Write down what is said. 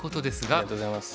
ありがとうございます。